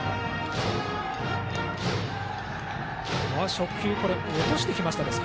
初球、落としてきましたか。